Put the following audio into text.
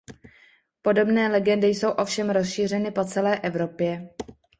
Podobné legendy jsou ovšem rozšířeny po celé Evropě.